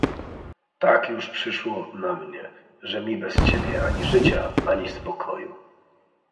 "Tak już przyszło na mnie, że mi bez ciebie ani życia, ani spokoju!"